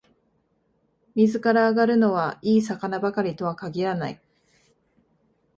水から揚がるのは、いい魚ばかりとは限らない